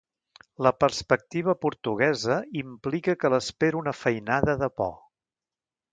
La perspectiva portuguesa implica que l'espera una feinada de por.